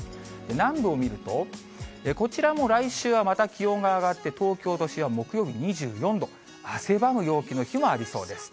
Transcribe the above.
南部を見ると、こちらも来週は、また気温が上がって、東京都心は木曜日２４度、汗ばむ陽気の日もありそうです。